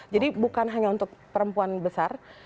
jadi bukan hanya untuk perempuan besar